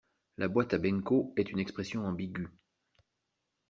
La boîte à Benco est une expression ambigue.